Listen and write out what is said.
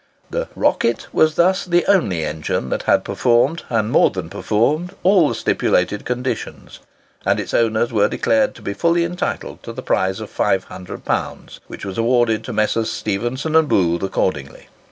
The "Rocket" was thus the only engine that had performed, and more than performed, all the stipulated conditions; and its owners were declared to be fully entitled to the prize of £500, which was awarded to the Messrs. Stephenson and Booth accordingly.